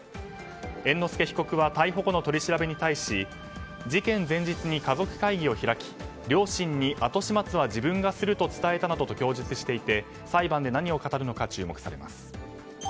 猿之助被告は逮捕後の取り調べに対し事件前日に家族会議を開き両親に後始末は自分がすると伝えたなどと供述していて裁判で何を語るのか注目されます。